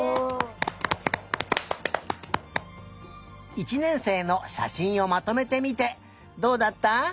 １年生のしゃしんをまとめてみてどうだった？